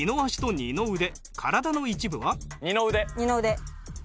二の腕。